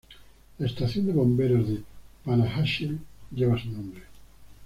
La estación de bomberos de Panajachel lleva su nombre.